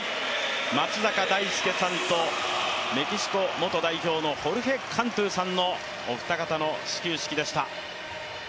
松坂大輔さんと、メキシコ元代表のホルヘ・カントゥさんのお二方の始球式でした。